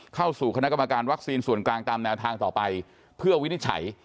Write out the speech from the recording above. เข้าสู่คณะกรรมการวัคซีนส่วนกลางตามแนวทางต่อไปเพื่อวินิจฉัย